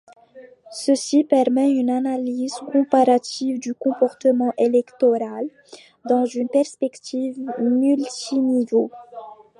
Ceci permet une analyse comparative du comportement électoral dans une perspective multiniveau.